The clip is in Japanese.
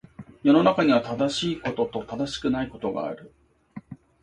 世の中には、正しいことと正しくないことがある。